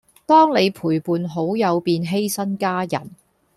當你陪伴好友便犧牲家人